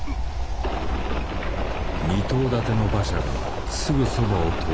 ２頭立ての馬車がすぐそばを通りかかる。